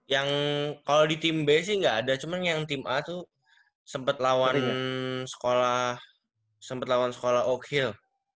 yang kalo di tim b sih enggak ada cuman yang tim a tuh sempet lawan sekolah oak hill